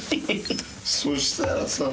そしたらさ。